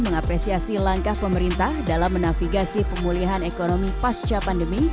mengapresiasi langkah pemerintah dalam menafigasi pemulihan ekonomi pasca pandemi